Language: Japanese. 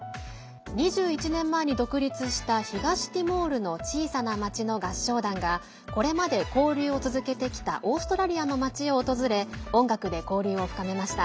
２１年前に独立した東ティモールの小さな町の合唱団がこれまで交流を続けてきたオーストラリアの町を訪れ音楽で交流を深めました。